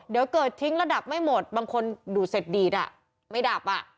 เดี๋ยวเกิดทิ้งระดับไม่หมดบางคนดูดเสร็จดีดอ่ะไม่ดับอ่ะ